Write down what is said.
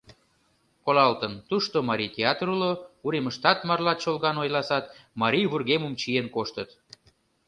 Колалтын: тушто марий театр уло, уремыштат марла чолган ойласат, марий вургемым чиен коштыт...